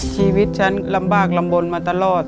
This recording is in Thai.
ชีวิตฉันลำบากลำบลมาตลอด